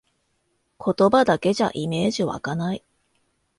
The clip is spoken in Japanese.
言葉だけじゃイメージわかない